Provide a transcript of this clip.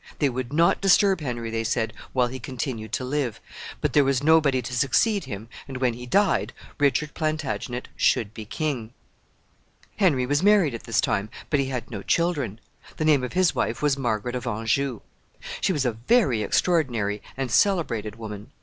They would not disturb Henry, they said, while he continued to live; but there was nobody to succeed him, and, when he died, Richard Plantagenet should be king. [Illustration: QUEEN MARGARET OF ANJOU, WIFE OF HENRY VI.] Henry was married at this time, but he had no children. The name of his wife was Margaret of Anjou. She was a very extraordinary and celebrated woman.